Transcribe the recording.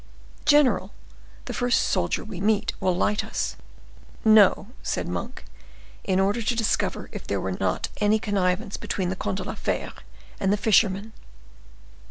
"General, the first soldier we meet will light us." "No," said Monk, in order to discover if there were not any connivance between the Comte de la Fere and the fisherman.